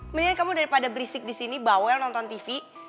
mendingan kamu daripada berisik disini bawel nonton tv